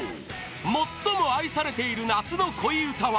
最も愛されている夏の恋うたは？